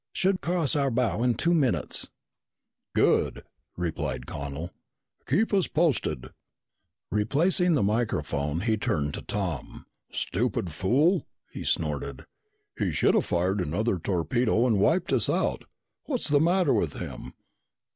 Should cross our bow in two minutes!" "Good," replied Connel. "Keep us posted!" Replacing the microphone, he turned to Tom. "Stupid fool!" he snorted. "He should've fired another torpedo and wiped us out. What's the matter with him?"